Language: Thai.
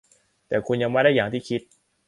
แต่คุณยังไม่ได้อย่างที่คิด